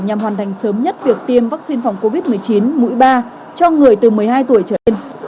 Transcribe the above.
nhằm hoàn thành sớm nhất việc tiêm vaccine phòng covid một mươi chín mũi ba cho người từ một mươi hai tuổi trở lên